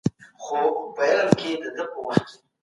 هسي نه چي ټول پر تا باندي تاوان سي